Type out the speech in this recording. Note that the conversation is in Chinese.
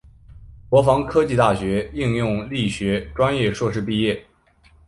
国防科技大学应用力学专业硕士毕业。